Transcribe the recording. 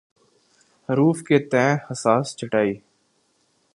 حروف کے تئیں حساس چھٹائی